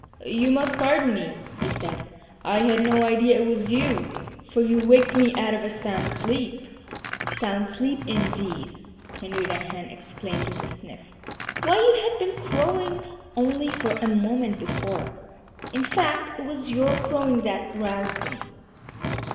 "You must pardon me," he said. "I had no idea it was you, for you waked me out of a sound sleep." "Sound sleep, indeed!" Henrietta Hen exclaimed with a sniff. "Why, you had been crowing only a few moments before. In fact it was your crowing that roused me."